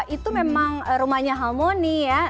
itu memang rumahnya harmoni ya